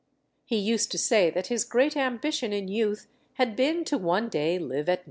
He used to say that his great ambition in youth had been to one day live at No.